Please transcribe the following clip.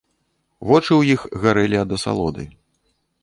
Вочы ў іх гарэлі ад асалоды.